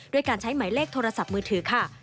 ด้วยการใช้หมายเลขโทรศัพท์มือถือค่ะ